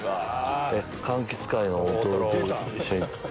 柑橘界の大トロと一緒に。